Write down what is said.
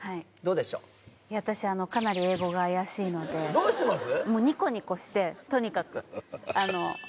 どうしてます？